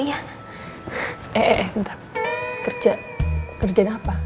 eh eh eh bentar kerja kerjanya apa